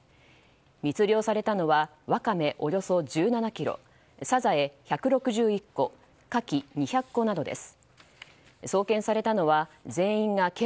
密漁されたのはワカメおよそ１７ｋｇサザエ１６１個カキ２００個などです。